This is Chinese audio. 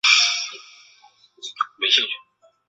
其中一个主因是它们可能已缺乏了应有的。